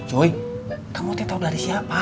cuy kamu tau dari siapa